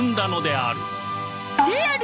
である